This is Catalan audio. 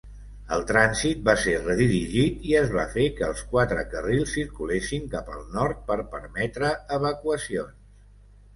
El trànsit va ser redirigit i es va fer que els quatre carrils circulessin cap al nord per permetre evacuacions.